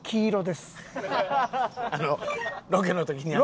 あのロケの時に会った。